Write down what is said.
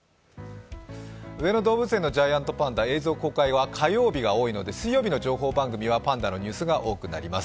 上野動物園のジャイアントパンダ、映像公開が火曜日が多いので、水曜日の情報番組はパンダのニュースが多くなります。